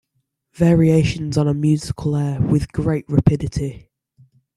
Variations on a musical air With great rapidity